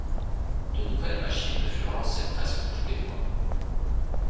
De nouvelles machines furent lancées presque tous les mois.